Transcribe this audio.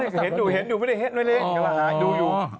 ก็เห็นดูไม่ได้เห็นเรียกดูอยู่